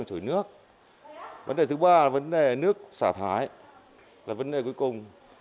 nước xả thái là vấn đề cuối cùng